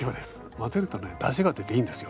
混ぜるとねダシが出ていいんですよ